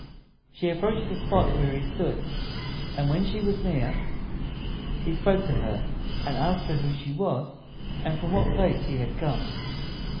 She approached the spot where he stood; and when she was near, he spoke to her, and asked who she was, and from what place she had come.